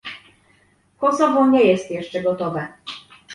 Kosowo nie jest jeszcze gotowe